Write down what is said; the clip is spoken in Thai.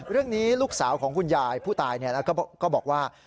เรื่องนี้ลูกสาวของคุณยายผู้ตายก็บอกว่า